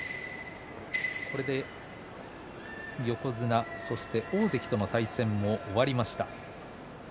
これで横綱そして大関の対戦も終わりました逸ノ城。